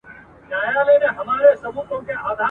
ما چي له طلا سره تللې اوس یې نه لرم !.